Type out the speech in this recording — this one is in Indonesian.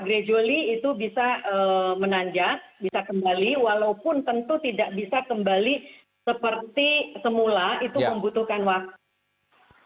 gradually itu bisa menanjak bisa kembali walaupun tentu tidak bisa kembali seperti semula itu membutuhkan waktu